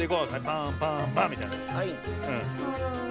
パンパンパンみたいな。